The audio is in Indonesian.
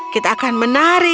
kita akan menari